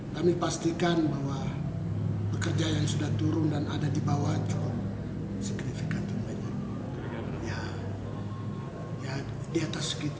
kami pastikan bahwa pekerja yang sudah turun dan ada di bawah cukup signifikan